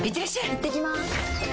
いってきます！